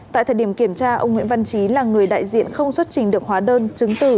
tại thời điểm kiểm tra ông nguyễn văn trí là người đại diện không xuất trình được hóa đơn chứng từ